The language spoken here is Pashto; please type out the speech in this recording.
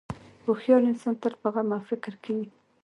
هوښیار انسان تل په غم او فکر کې وي.